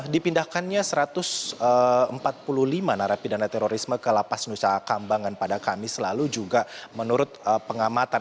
dipindahkannya satu ratus empat puluh lima narapidana terorisme ke lapas nusa kambangan pada kamis lalu juga menurut pengamatan